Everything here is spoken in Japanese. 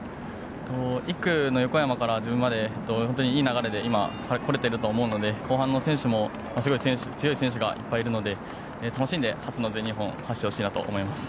１区の横山から自分までいい流れで今来れていると思うので後半の選手もすごい強い選手がいっぱいいるので楽しんで、初の全日本を走ってほしいと思います。